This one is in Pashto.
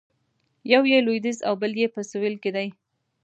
یو یې لویدیځ او بل یې په سویل کې دی.